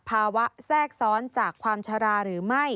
แทรกซ้อนจากความชะลาหรือไม่